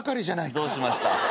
どうしました？